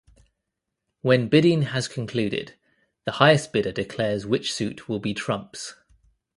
When bidding has concluded the highest bidder declares which suit will be trumps.